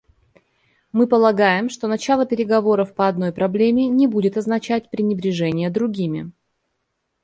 Мы полагаем, что начало переговоров по одной проблеме не будет означать пренебрежение другими.